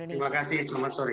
terima kasih selamat sore